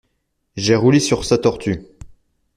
J'ai roulé sur sa tortue.